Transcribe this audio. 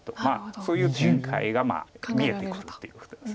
そういう展開が見えてくるっていうことです。